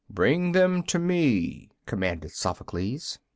"Bring them to me," commanded Sophocles.